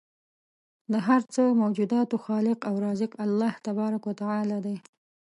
د هر څه موجوداتو خالق او رازق الله تبارک و تعالی دی